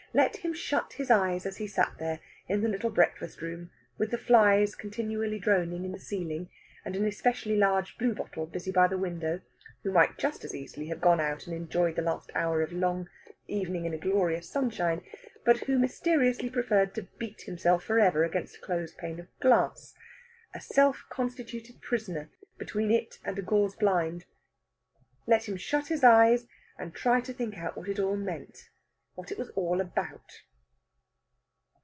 Let him shut his eyes as he sat there, in the little breakfast room, with the flies continually droning in the ceiling, and an especially large bluebottle busy in the window, who might just as easily have gone out and enjoyed the last hour of a long evening in a glorious sunshine, but who mysteriously preferred to beat himself for ever against a closed pane of glass, a self constituted prisoner between it and a gauze blind let him shut his eyes, and try to think out what it all meant, what it was all about.